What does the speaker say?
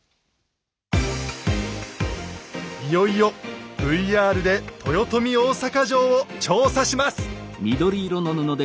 いよいよＶＲで豊臣大坂城を調査します。